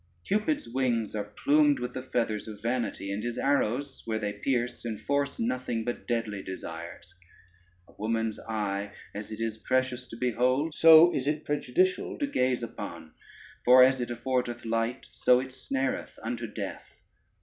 Cupid's wings are plumed with the feathers of vanity, and his arrows, where they pierce, enforce nothing but deadly desires: a woman's eye, as it is precious to behold, so is it prejudicial to gaze upon; for as it affordeth delight, so it snareth unto death.